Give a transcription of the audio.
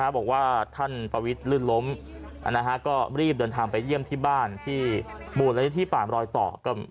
บอกว่าท่านประวิทย์ลื่นล้มก็รีบเดินทางไปเยี่ยมที่บ้านที่มูลนิธิป่ามรอยต่อ